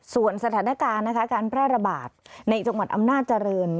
ส่วนสถานการณ์นะคะการแพร่ระบาดในจังหวัดอำนาจเจริญ